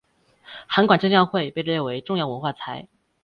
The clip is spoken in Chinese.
函馆正教会被列为重要文化财。